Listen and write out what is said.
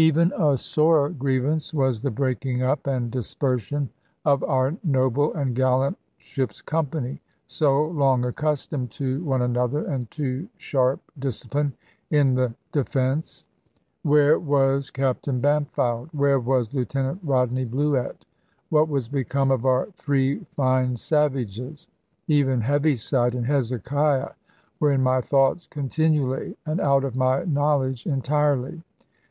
Even a sorer grievance was the breaking up and dispersion of our noble and gallant ship's company, so long accustomed to one another and to sharp discipline in the Defence. Where was Captain Bampfylde? Where was Lieutenant Rodney Bluett? What was become of our three fine savages? Even Heaviside and Hezekiah were in my thoughts continually, and out of my knowledge entirely.